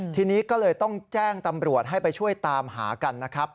ทีนี้ก็เลยต้องแจ้งตำรวจให้ไปช่วยตามหากันนะครับ